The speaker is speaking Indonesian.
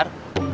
mungkin ada diri